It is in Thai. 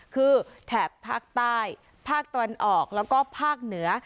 คือแถบภาคใต้ภาคตะวันออกแล้วก็ภาคเหนือ